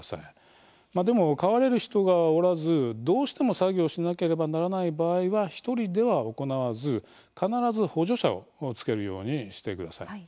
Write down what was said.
でも、代われる人がおらずどうしても作業をしなければならない場合は１人では行わず、必ず補助者をつけるようにしてください。